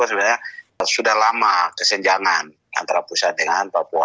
sebenarnya sudah lama kesenjangan antara pusat dengan papua